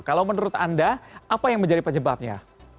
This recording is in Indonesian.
kalau menurut anda apa yang menjadi penyebabnya